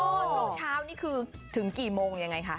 ช่วงเช้านี่คือถึงกี่โมงยังไงคะ